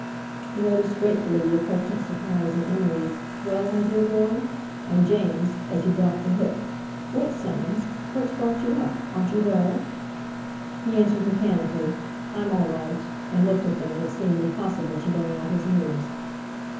He noticed gratefully the affectionate surprise in Emily's: "Well, my dear boy?" and James', as he dropped the hook: "What, Soames! What's brought you up? Aren't you well?" He answered mechanically: "I'm all right," and looked at them, and it seemed impossible to bring out his news.